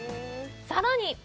さらに！